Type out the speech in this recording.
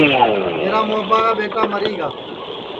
میرا مُوابھا کا ٻیٹا مری گا ہے